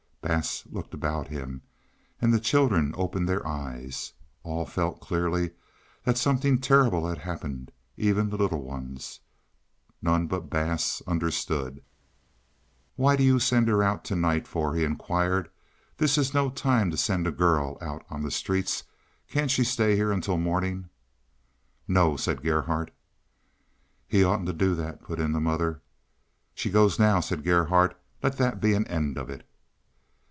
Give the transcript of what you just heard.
Bass looked about him, and the children opened their eyes. All felt clearly that something terrible had happened, even the little ones. None but Bass understood. "What do you want to send her out to night for?" he inquired. "This is no time to send a girl out on the streets. Can't she stay here until morning?" "No," said Gerhardt. "He oughtn't to do that," put in the mother. "She goes now," said Gerhardt. "Let that be an end of it."